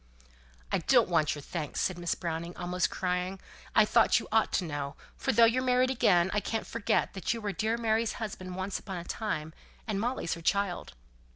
"I don't want your thanks," said Miss Browning, almost crying. "I thought you ought to know; for though you're married again, I can't forget you were dear Mary's husband once upon a time; and Molly's her child."